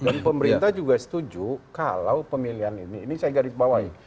dan pemerintah juga setuju kalau pemilihan ini ini saya garip bawahi